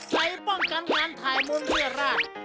ใส้ป้องกันการถ่ายมูลเลือดราด